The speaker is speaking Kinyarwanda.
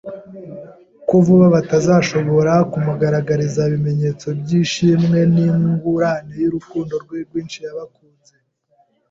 ko vuba batazashobora kumugaragariza ibimenyetso by'ishimwe nk'ingurane y'urukundo rwe rwinshi yabakunze